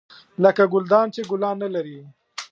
لکه ګلدان چې ګلان نه لري .